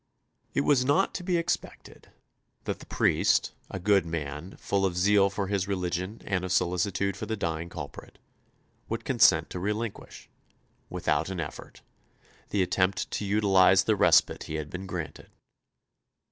It was not to be expected that the priest, a good man, full of zeal for his religion and of solicitude for the dying culprit, would consent to relinquish, without an effort, the attempt to utilise the respite he had been granted.